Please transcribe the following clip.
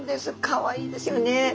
かわいいですよね。